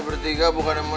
tidak ada apa apa